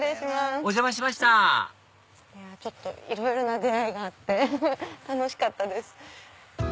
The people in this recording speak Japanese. お邪魔しましたいろいろな出会いがあって楽しかったです。